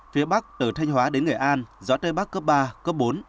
phía bắc từ thanh hóa đến nghệ an gió tây bắc cấp ba cấp bốn